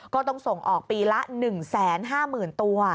ก็ต้องส่งออกปีละ๑๕๐๐๐ตัว